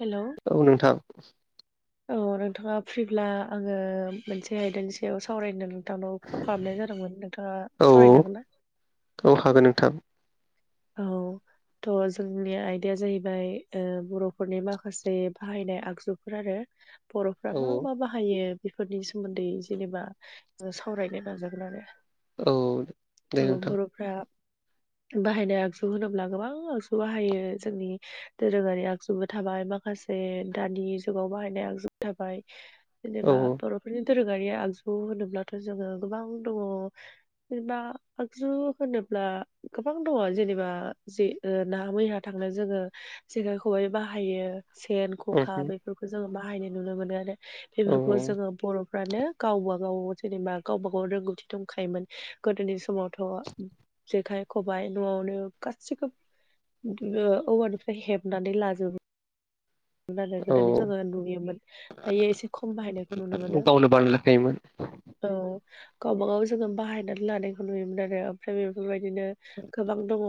Hello औ नोंथां औ नोंथाङा फ्रिब्ला आङो मोनसे आयदानि सायाव सावरायनो नों नोंथांनाव कल खालामनाय जादोंमोन नोंथाङा औ सावरायनो हागोन ना? औ हागोन नोंथां। औ थ' जोंनि आयदाया जाहैबाय ओ बर'फोरनि माखासे बाहायनाय आगजुफोर आरो बर'फ्रा औ मा मा बा बाहायो बेफोरनि सोमोन्दै जेनेबा सावरायनो नाजागोन आरो औ दे थों नोंथां बर'फ्रा बाहाय आगजु होनोब्ला गोबां आगजु बाहायो जोंनि दोरोङारि आगजुबो थाबाय माखासे दानि जुगाव बाहायनाय आगजुबो थाबाय औ जेनेबा बर'फोरनि दोरोङारि आगजु होनोब्लाथ' जोङो गोबां दङ। जेनेबा आगजु होनोब्ला गोबां दङ जेनेबा जे नाहा मैया थांनो जोङो जेखाय खबाय बाहायो सेन खखा ओम बेफोरखौ जोङो बाहायनाय नुनो मोनो आरो। औ बेफोरखौ औ जोङो बर'फ्रानो गावबा गाव जेनेबा गावबा गाव रोंगौथि दंखायोमोन। गोदोनि समावथ' जेखाय खबा य न'आवनो गासिखौबो ओ औवानिफ्राय हेबनानै लाजोबो। आरो गोदोनै जोङो औ नुयोमोन दायो एसे खम बाहायनायखौ नुनो मोनो। गावनो बानायलाखायोमोन औ गावबागाव जोङो बाहायनानै लानायखौ नुयोमोन आरो ओमफ्राय बेफोरबायदिनो गोबां दङ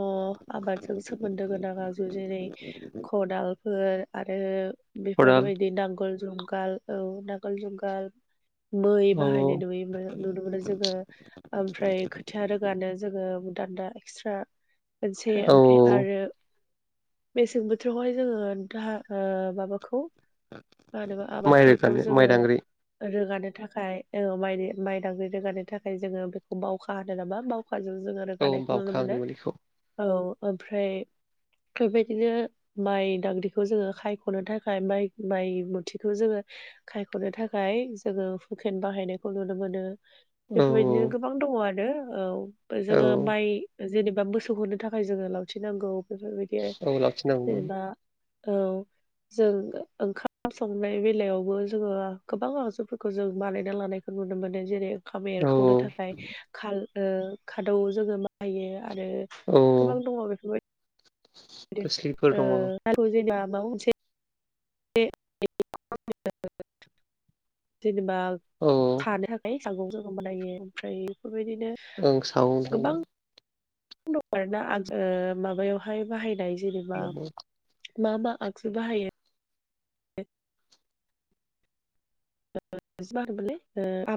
आबादजों सोमोन्दो गोनां आजु जेरै खदालफोर आरो खदाल बेफोरबायदि नांगोल जुंगाल औ नांगोल जुंगाल मै औ बाहायनाय नुय नुनो मोनो जोङो ओमफ्राय खोथिया रोगानो जोङो दान्दा एक्सट्रा मोनसे ओमफ्राय औ आरो मेसें बोथोरावहाय जोङो दाहा ओ माबाखौ मा होनोबा माइ आबादफोरखौ रोगानो माइ जोङो दांग्रि रोगानो थाखाय औ माइ माइ दांग्रि रोगानो थाखाय जोङो बेखौ बावखा होनो नामा? बावखाजों जोङो औ रोगानायखौ बावखा नुनो होनोमोन बेखौ मानो। औ ओमफ्राय बेफोरबायदिनो माइ दाग्रिखौ जोङो सायख'नो थाखाय माइ माइ मुथिखौ जोङो खायख'नो थाखाय जोङो हुकेन बाहायनायखौ नुनो मोनो। औ बेफोरबायदिनो गोबां दङ आरो। औ औ जोङो माइ जेनेबा मोसौ होनो थाखाय जोङो लावथि नांगौ बेफोरबायदि आरो औ लाखिनांगौमोन जेनेबा औ जों ओंखाम संनाय बेलायावबो जोङो गोबां आगजुफोरखौ जों बानायना लानाय नुनो मोनदों। जेरै- ओंखाम औ एरखावनो थाखाय खादौ जोङो बाहायो आरो। औ गोबां दङ खोस्लिफोर दङ औ बेफोरबायदिनो जेनेबा माबा मोनसे [unintelligible] जेनबा औ सानो थाखाय सागं जों बानायो। ओमफ्राय बेफोरबायदिनो आं सागंजों गोबां दं आरोना आ माबायावहाय बाहायनाय जेनेबा औ मा मा आगजु बाहायो द ओ बि ममोनलै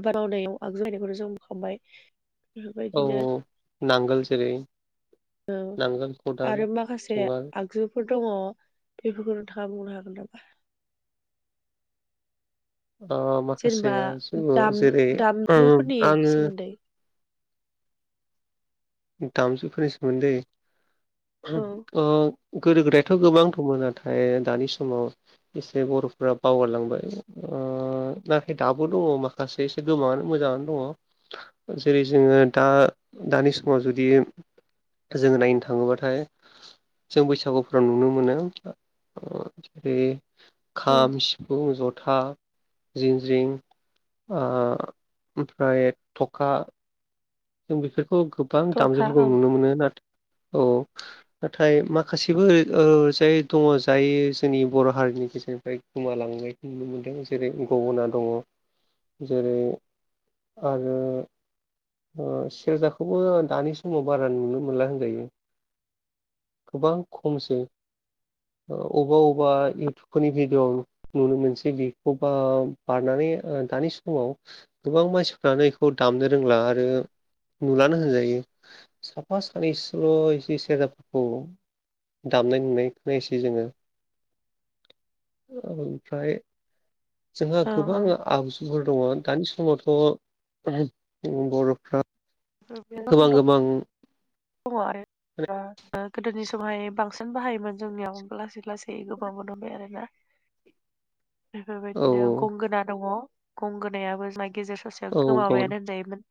आबाद मावनायाव आगजु जनायखौनो जों बुंखांबाय [inaudible] औ औ बेफोरबायदिनो औ नांगोल जेरै - औ आरो माखासे जुंगाल आगजु फोर दङ बेफोरखौ नोंथाङा बुंनो हागोन नामा ओ जेनेबा माखासेया जोङो दाम जेरै दामजुफोरनि आङो सोमोन्दै दामजुफोरनि सोमोन्दै। औ ओ गोदो गोदायाथ' गोबां दंमोन नाथाय दानि समाव एसे बर'फोरा बावगारलांबाय। ओ नाथाय दाबो दङ माखासे एसे गोमाङानो मोजाङानो दङ। जेरै जोङो दा दानि स माव जुदि जोङो नायनो थाङोबाथाय जों बैसागुफ्राव नुनो मोनो जेरै- औ खाम सिफुं, जथा, जिनज्रिं ओ ओमफ्राय थखा जों बेफोरखौ गोबां थरखा दामजुफोरखौ औ नुनो मोनो ना औ। नाथाय माखासेबोओ जाय दङ जायो जोंनि बर' हारिनि गेजेरनिफ्राय गोमालांनाय नुनो मोनदों जेरै गंगोना दङ जेरै आरो सेरजाखौबो दानि समाव बारा नुनो मोनला होनजायो गोबां खमसै अबा अबा इउटुबफोरनि भिडिअ नुनो मोनसै बेखौ बा बारनानै ओ दानि समाव गोबां मानसिफ्रानो बेखौ दामनो रोंला आरो नुलानो होनजायो। साफा सानैसल' एसे सेरजाफोरखौ दामनाय देनाय खौनायनोसै जोङो। औ ओमफ्राय जोंहा औ गोबां औ आगजुफोर दङ दानि समावथ' बर'फ्रा गोबां गोबां दङ आरो ओ ओ गोदोनि समावहाय बांसिन नों बाहायबानो जोंनियाव लासै लासै गोबांबो दंबाय आरो ना औ बेफोरबायदिनो गंगोना दङ गंगोनायाबो मा गेजेर सासे औ गाव गोमाबायानो होनजायोमोन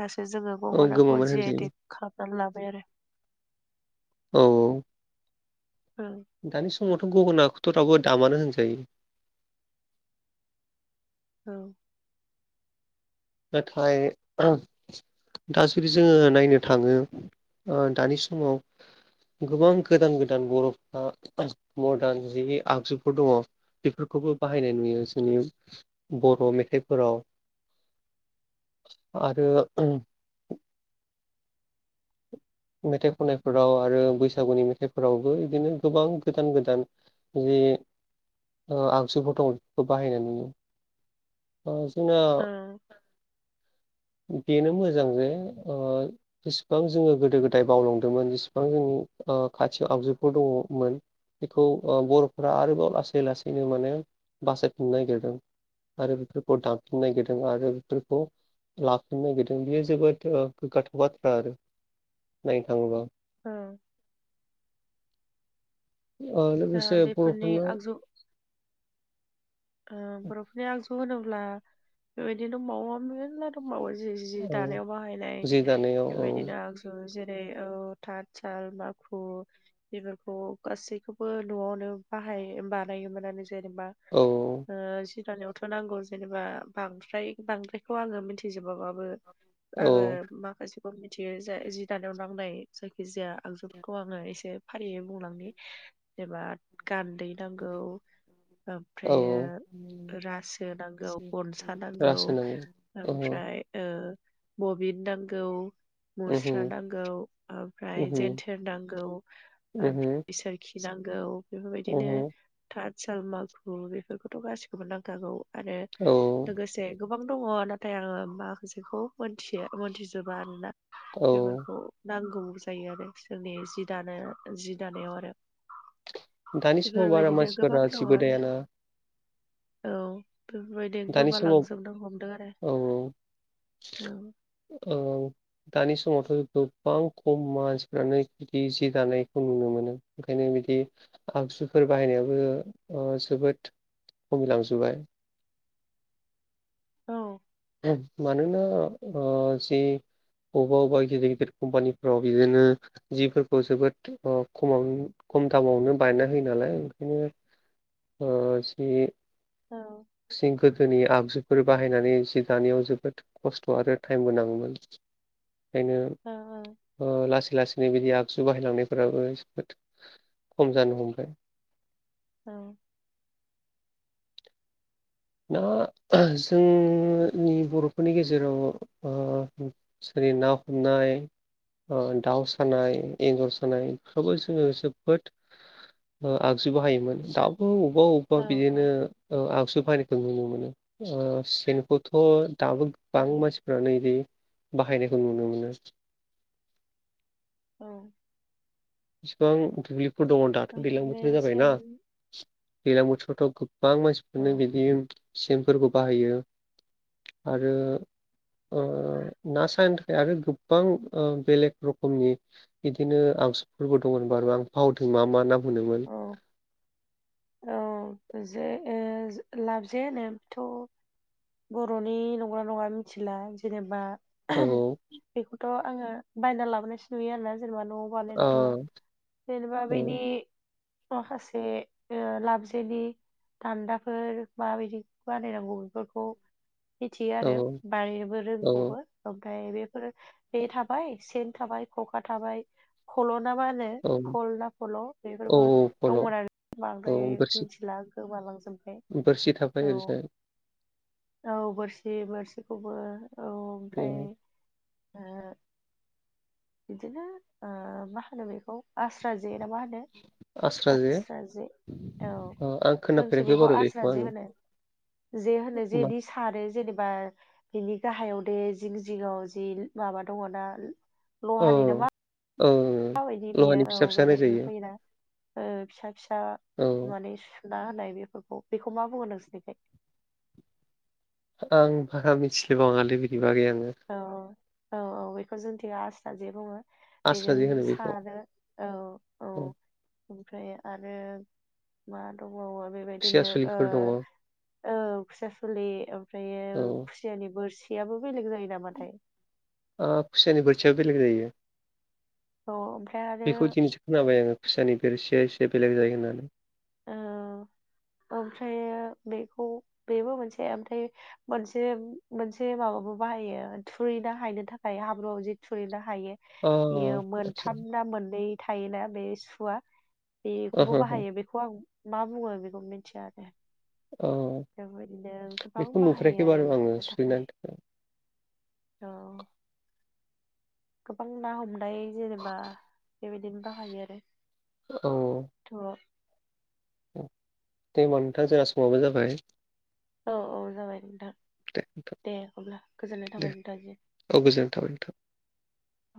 दासो जोङो औ गंग'नाखौ गोमाबाय जि आइ होनजायो टेक खालामनानै लाबाय आरो। औ औ औ दानि समावथ' गंगोनाखौथ' रावबो दामानो होनजायो। औ। नाथाय दा जुदि जोङो नायनो थाङो ओ दानि समाव गोबां गोदान गोदान बर'फ्रा मरदार जि आगजुफोर दङ। बेफोरखौबो बाहायनाय नुयो जोंनि बर' मेथाइफोराव आरो मेथाइ खननायफोराव आरो बैसागुनि मेथाइफोरावबो बिदिनो गोबां गोदान -गोदान जे ओ आगसिु फट'ग्राफिखौ बाहायनाय नुयो। अ जनो औ बेनो मोजां जे ओ जेसेबां जोङो गोदो -गोदाय नाथाय बावलांदोंमोन जेसेबां जोंनि ओखाथि आगजुफोर दङमोन बेखौ ओ बर'फोरा आरोबाव लासै लासैनो माने बासायनो नागिरदों। आरो बेफोरखौ दानफिननो नागिरदों आरो बेफोरखौ लाफिनो नागिरदों बियो जोबोद ओ गोग्गाथाव बाथ्रा आरो। [unintelligible] ओ दा लोगोसे बेफोरनि बर'फोरना आगजु ओ बर'फोरनि आगजु होनोब्ला बेबायदिनो [unintelligible] समबावो जि जि औ दानायाव बाहायनाय जि दानायाव औ बेबायदिनो आगजु जेरै ओ थाथ साल, माखु बेफोरखौ गासैखौबो न'आवनो बाहाय बानायोमोन जेनेबा औ। ओ जि दानायावथ' नांगौ जेनेबा बांद्राय बांद्रायखौ आङो मिथिजोबाबाबो आङो औ माखासेखौ मिथियो ज जि दानायाव [unintelligible] जायखिजाया आगजुफोरखौ आङो एसे फारियै बुंलांनि जेनबा गान्दै नांगौ औ आमफ्रायो रासो नांगौ गनसा नांगौ रासो नांगौ ओहो ओमफ्राय ओफ्राय ओ‌ बबिन नांगौ। ओहो मुस्रा नांगौ ओमफ्राय ओहो जेन्थेर नांगौ बिसोर खिनांगौ बेफोरबायदिनो ओहो ओहो थात साल, माखु बेफोरखौथ' गासिखौबो नांखागौ। आरो औ लोगोसे गोबां दंङ नाथाय आंङो माखासेखौ मोनथियो मोनथिजोबा आरोना औ बेफोरखौ नांगौ जायो आरो बिसोरनि जि दानाय जि दानायाव आरो। दानि समाव बारा इफोरबायदिनो गोबां मानसिफोरा दं जिबो आरो। दायाना औ बेफोरबायदिनो दानि समाव गोमालांजोबनो हमदों आरो औ औ औ दानि समावथ' गोबां खम मानसिफ्रानो बिदि जि दानायखौ नुनो मोनो। ओंखायनो बिदि आगजुफोर बाहायनायाबो ओ जोबोद खमायलांजोबबाय औ ओब मानोना जि अबा अबा गिदिर गिदिर कमपानिफ्राव‌ बिदिनो जिफोरखौ जोबोद ओ खमावनो खम दामावनो बायना होयो नालाय ओंखायनो ओ‌ जि औ। सि गोदोनि आगजुफोर बाहायनानै जि दानायाव जोबोद खस्थ' आरो टाइमबो नाङोमोन। [inaudible] ओंखायनो औ ओ लासै लासैनो बिदि आगजु बाहायलांनायफोराबो जोबोद खम जानो हमबाय। औ। दा जोंनि बर'फोरनि गेजेराव ओ जेरै ना हमनाय ओ दाउ सानाय एनजर सानाय इखौबो जोंङो जोबोद ओ आगजु बाहायोमोन दाबो अबबा औ अबा अ बिदिनो ओ आगजु बाहायनायखौ नुनो मोनो ओ सेनखौथ' दाबो औ बां मानसिफ्रानो बिदि बाहायनायखौ नुनो मोनो। औ फिफां दुब्लिफोर दंङ दाथ' औ दैज्लां बिदिनो बोथोराव जाबायना। सेम दैज्लां बोथोरावथ' गोबां औ मानसिफोरनो बिदि सेनफोरखौ बाहायो। आरो ओ ना सानो थाखाय आरो गोबां ओ बेलेग रखमनि बिदिनो आंजुफोरबो दंमोन बार आं फावथिं मा मा नाम होनोमोन? अ औ जे ए लाबजे होनो बेथ' बर'नि नंगौना नंङा मिथिला जेनेबा औ बेखौथ' आंङो बायना लाबोनायसो नुयो आरोना जेनेबा ओ न' [unintelligible] जेनेबा औ बैनि माखासे ओ लाबजेनि दान्दाफोर माबायदि बानायनांगौ बेफोरखौ मिथियो औ आरो बानायनोबो औ रोंखौबो। ओमफ्राय बेफोरो बे थाबाय सेन थाबाय खखा थाबाय खल' ना मा होनो फल ना फल' औ बेफोरबो फल' दंमोन आरो औ बांद्राय बोरसि मिथिला गोमालांजोब बोरसि थाफायो ओरैजाय औ बोरसि बोरसिखौबो औ ओमफाय औ ओ बिदिनो ओ मा होनो बेखौ आस्रा जे ना मा होनो आस्रा जे औ ओ आं जोंनिथिं खोनाफेराखै बेखौ बारु आस्रा आङो जे होनो। जे होनो मा जेदिस सारो जेनेबा बिनि गाहायाव दे जिं जिंङाव जि माबा दंङ ना लहानि ना औ औ माबायदि बियो लहानि औ फिसा फिसा बेबायदि नायजायो होयोना? ओ फिसा फिसा औ माने सुना होनाय बेफोरखौ बेखौ मा बुंङो नोंसोरनिखोय? आं बारा मिथि बांङा लै बेनि बागै आं औ औ औ बेखौ जोंथि आस्रा जे बुंङो। आस्रा बेजों जे होनो बेखौ सारो औ औ। ओमफ्राय आरो मा दंबावो खुसिया बेबायदिनो ओ सुलिफोर दङ औ औ खुसिया सुलि ओमफ्रायो खुसियानि बोरसियाबो बेलेग जायो नामाथाय। ओ खुसानि बोरसियाबो बेलेग जायो औ ओमफ्राय आरो बेखौ दिनै खोनाबाय आङो खुसानि बिरसिया एसे बेलेग जायो होननानै। ओ ओमफ्रायो बेखौ बेबो मोनसे ओमफ्राय मोनसे मोनसे माबाबो बाहायो थुरैना हायनो थाखाय हाब्रुआव जि थुरैनो हायो अ इयो आदसा मोनथाम ना मोननै थायोना बे सुवा बेखौबो ओहो हो बाहायो बे खौ आं मा बुंङो बेखौ मिथिया आरो। औ जों ओरैनो गोबां बेखौ बाहायो नुफेराखै आरो बारु ना आङो हमनो थाखाय सुलिनानै थ' गोबां ना हमनाय जेनेबा बेबायदिनो बाहायो आरो। औ थ' [unintelligible] मनथा जोंङा समाबो जाबाय। औ औ जाबाय नोंथां दे नोंथां दे होब्ला गोजोननाय दे थाबाय नोंथांनि सिम। औ गोजोन्नाय थाबाय नोंथां। औ